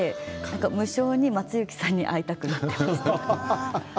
無性に松雪さんに会いたくなっていました。